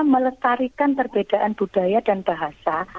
melestarikan perbedaan budaya dan bahasa